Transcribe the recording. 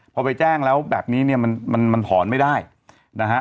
พอไปแจ้งแล้วแบบนี้เนี่ยมันมันถอนไม่ได้นะฮะ